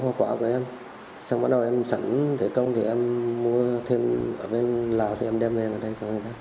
hoa quả của em xong bắt đầu em sẵn thể công thì em mua thêm ở bên lào thì em đem về ở đây